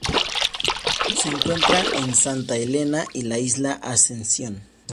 Se encuentra en Santa Helena y la Isla Ascensión.